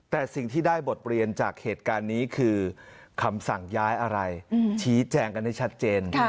แต่สิ่งที่ได้บทเรียนจากเหตุการณ์นี้คือคำสั่งย้ายอะไรชี้แจงกันให้ชัดเจน